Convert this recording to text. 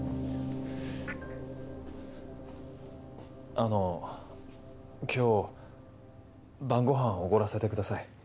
あの今日晩ごはんおごらせてください。